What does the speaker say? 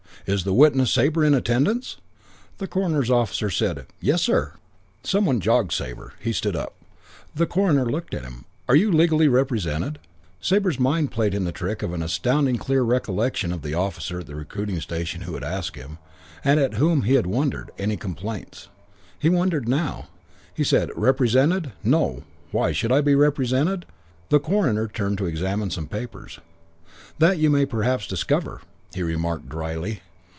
"Is the witness Sabre in attendance?" The coroner's officer said, "Yes, sir." Some one jogged Sabre. He stood up. The coroner looked at him. "Are you legally represented?" Sabre's mind played him the trick of an astoundingly clear recollection of the officer at the recruiting station who had asked him, and at whom he had wondered, "Any complaints?" He wondered now. He said, "Represented? No. Why should I be represented?" The coroner turned to examine some papers. "That you may perhaps discover," he remarked drily.